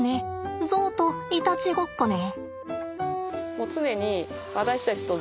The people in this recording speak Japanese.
ゾウといたちごっこね。